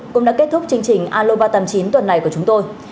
cũng đã kết thúc chương trình aloba tám mươi chín tuần này của chúng tôi